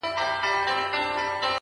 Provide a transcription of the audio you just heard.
o په خــــنــدا كيــسـه شـــــروع كړه؛